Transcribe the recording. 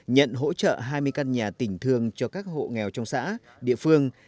nhận hỗ trợ hai mươi căn nhà tỉnh thương cho các hộ nghèo trong xã địa phương